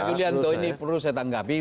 pak julianto ini perlu saya tanggapi